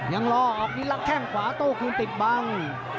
ยังรอออกแล้วแทงขว้าโตควีนติดบัง